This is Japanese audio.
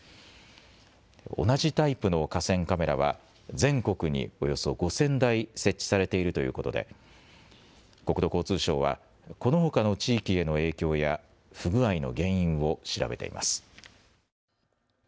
同じタイプの河川カメラは全国におよそ５０００台設置されているということで国土交通省はこのほかの地域への影響や不具合の原因を調べています。